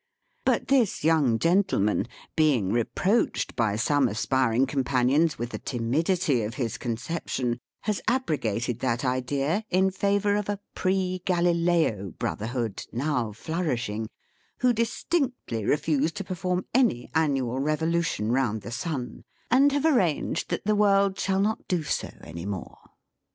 But this young gentleman, being reproached by some aspiring companions with the timidity of his conception, has abrogated that idea in favour of a Pre Galileo Brotherhood now flourishing, who distinctly refuse to perform any annual revolution round the Sun, and have arranged that the world shall not do so any more.